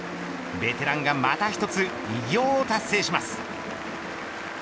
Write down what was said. ベテランがまた一つ偉業を達成します。